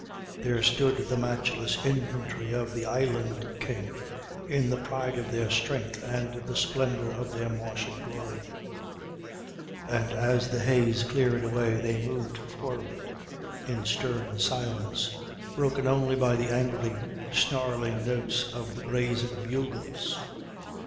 There stood the matchless infantry of the island king, in the pride of their strength and the splendor of their martial glory; and as the haze cleared away they moved forward, in stern silence, broken only by the angry, snarling notes of the brazen bugles.